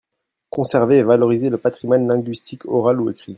conserver et valoriser le patrimoine linguistique oral ou écrit.